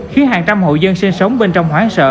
khiến hàng trăm hộ dân sinh sống bên trong hoán sợ